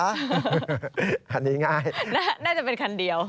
อันนี้ง่ายน่าจะเป็นคันเดียว